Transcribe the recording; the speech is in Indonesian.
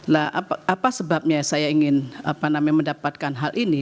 nah apa sebabnya saya ingin mendapatkan hal ini